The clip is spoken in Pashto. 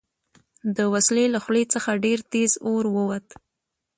د وسلې له خولې څخه ډېر تېز اور ووت